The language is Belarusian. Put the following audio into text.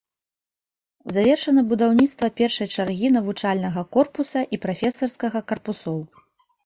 Завершана будаўніцтва першай чаргі навучальнага корпуса і прафесарскага карпусоў.